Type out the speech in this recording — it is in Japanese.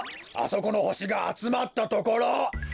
あそこのほしがあつまったところ。